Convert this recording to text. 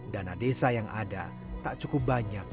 dana desa yang ada tak cukup banyak